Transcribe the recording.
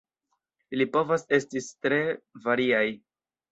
Ili povas estis tre variaj.